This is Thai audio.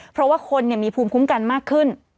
เพราะว่าคนมีภูมิคุ้มกันมากขึ้น